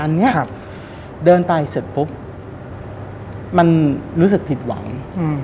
อันนี้เดินไปเสร็จปุ๊บมันรู้สึกผิดหวัง